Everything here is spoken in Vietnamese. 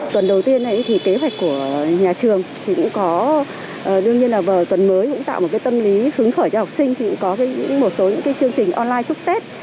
đầu tiên thì kế hoạch của nhà trường thì cũng có đương nhiên là vào tuần mới cũng tạo một cái tâm lý hướng khởi cho học sinh thì cũng có một số những cái chương trình online chúc tết